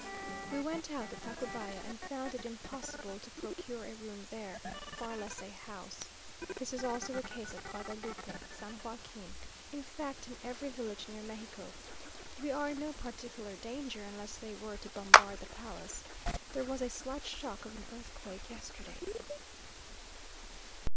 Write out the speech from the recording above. We went out to Tacubaya, and found it impossible to procure a room there, far less a house. This is also the case at Guadalupe, San Joaquin, in fact in every village near Mexico. We are in no particular danger, unless they were to bombard the palace. There was a slight shock of an earthquake yesterday.